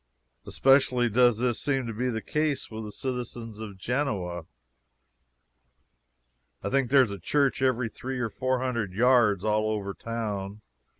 Especially does this seem to be the case with the citizens of Genoa. I think there is a church every three or four hundred yards all over town.